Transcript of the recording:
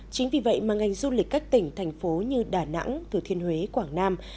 chính vì vậy mà ngành du lịch các tỉnh thành phố như đà nẵng thừa thiên huế quảng nam